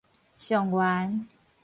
上元